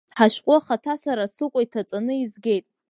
Ҳашәҟәы ахаҭа сара сыкәа иҭаҵаны изгеит.